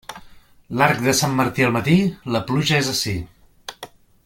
L'arc de Sant Martí al matí, la pluja és ací.